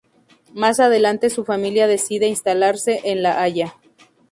Más adelante su familia decide instalarse en La Haya.